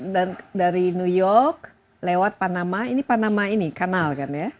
dan dari new york lewat panama ini panama ini canal kan ya